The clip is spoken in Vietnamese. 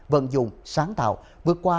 vận dụng sáng tạo vượt qua